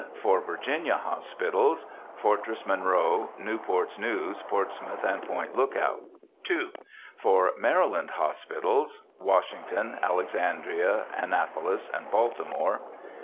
For Virginia hospitals. (Fortress Monroe, Newport's News, Portsmouth, and Point Lookout.) 2. For Maryland hospitals. (Washington, Alexandria, Annapolis, and Baltimore.)